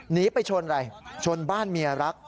หนีไปชนอะไรชนบ้านเมียรัก